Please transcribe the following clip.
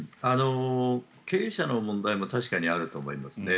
経営者の問題も確かにあると思いますね。